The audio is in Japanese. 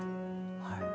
はい。